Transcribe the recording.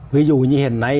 ví dụ như hiện nay